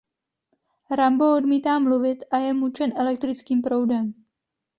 Rambo odmítá mluvit a je mučen elektrickým proudem.